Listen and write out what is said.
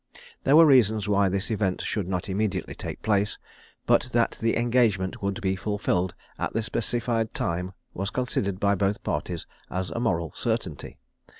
There were reasons why this event should not immediately take place; but that the engagement would be fulfilled at the specified time was considered by both parties as a moral certainty.